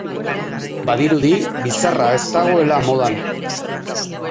Badirudi bizarra ez dagoela modan.